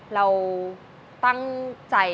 เราตั้งใจ